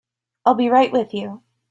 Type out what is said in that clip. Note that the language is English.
I'll be right with you.